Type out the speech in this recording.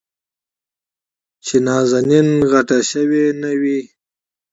چې نازنين غټه شوې نه وي.